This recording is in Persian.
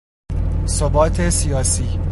ثبات سیاسی